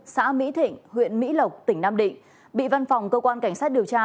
xã mỹ thịnh huyện mỹ lộc tỉnh nam định bị văn phòng cơ quan cảnh sát điều tra